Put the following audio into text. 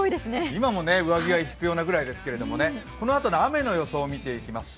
今も上着が必要なくらいですけれども、このあとの雨の予想を見ていきます。